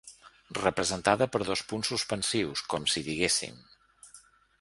Representada per dos punts suspensius, com si diguéssim.